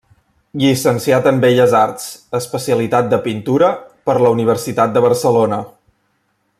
Llicenciat en Belles Arts, especialitat de pintura, per la Universitat de Barcelona.